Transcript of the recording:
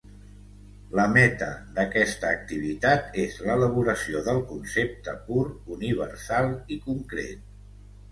La meta d'aquesta activitat és l'elaboració del concepte pur, universal i concret.